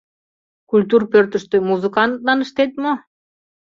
Культур пӧртыштӧ музыкантлан ыштет мо?